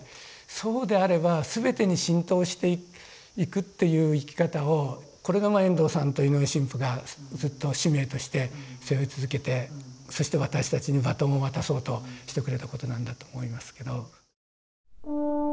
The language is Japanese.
そうであれば全てに浸透していくっていう生き方をこれが遠藤さんと井上神父がずっと使命として背負い続けてそして私たちにバトンを渡そうとしてくれたことなんだと思いますけど。